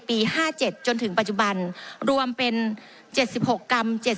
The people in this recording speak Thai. ปีห้าเจ็ดจนถึงปัจจุบันรวมเป็นเจ็ดสิบหกกรรมเจ็ด